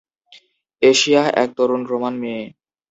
Asia এক তরুণ Roman মেয়ে।